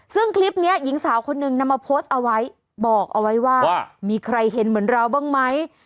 ซึ่งคลิปนี้หญิงสาวคนนึงนำมาโพสต์เอาไว้บอกเอาไว้ว่ามีใครเห็นเหมือนเราบ้างไหม